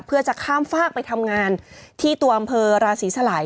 เพื่อจะข้ามฝากไปทำงานที่ตัวอำเภอราศีสลาย